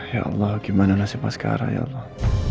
ya allah gimana nasib asgara ya allah